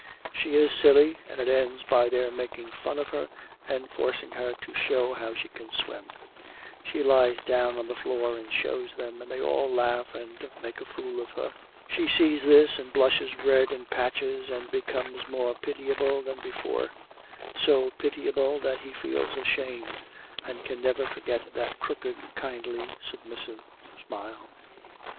She is silly, and it ends by their making fun of her and forcing her to show how she can swim. She lies down on the floor and shows them, and they all laugh and make a fool of her. She sees this and blushes red in patches and becomes more pitiable than before, so pitiable that he feels ashamed and can never forget that crooked, kindly, submissive smile.